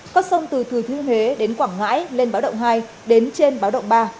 có sông từ thừ thư huế đến quảng ngãi lên báo động hai đến trên báo động ba